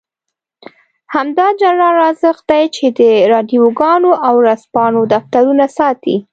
همدا جنرال رازق دی چې د راډيوګانو او ورځپاڼو دفترونه ساتي.